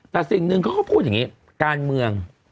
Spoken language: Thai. แต่สิ่งหนึ่งเขาก็พูดอย่างนี้การเมือง